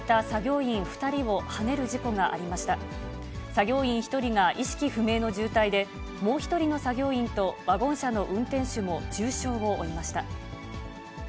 作業員１人が意識不明の重体で、もう１人の作業員とワゴン車の運転手も重傷を負いました。